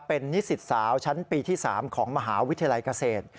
เป็นนิสิตสาวชั้นปีที่๓ของมหาวิทยาลัยเกษตร